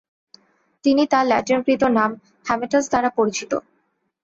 তিনি তার ল্যাটিনকৃত নাম হ্যামেটাস দ্বারা পরিচিত।